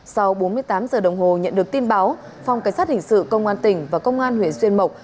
sau bốn mươi tám giờ đồng hồ nhận được tin báo phòng cảnh sát hình sự công an tỉnh và công an huyện xuyên mộc